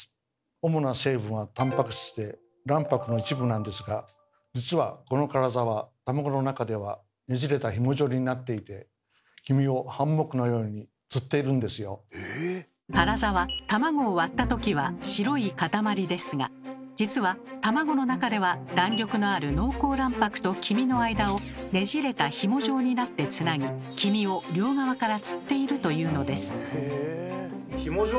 主な成分はタンパク質で卵白の一部なんですが実はこのカラザはカラザは卵を割ったときは白い塊ですが実は卵の中では弾力のある濃厚卵白と黄身の間をねじれたひも状になってつなぎ黄身を両側からつっているというのです。